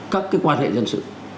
các cái quan hệ dân sự